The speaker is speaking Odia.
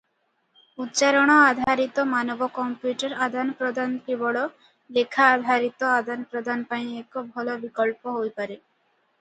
ଉଚ୍ଚାରଣ ଆଧାରିତ ମାନବ-କମ୍ପ୍ୟୁଟର ଆଦାନପ୍ରଦାନ କେବଳ ଲେଖା-ଆଧାରିତ ଆଦାନପ୍ରଦାନ ପାଇଁ ଏକ ଭଲ ବିକଳ୍ପ ହୋଇପାରେ ।